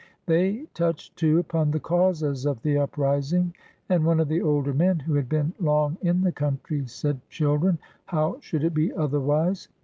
They touched, too, upon the causes of the uprising; and one of the older men, who had been long in the country, said: "Children, how should it be otherwise?